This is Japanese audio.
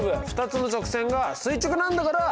２つの直線が垂直なんだから。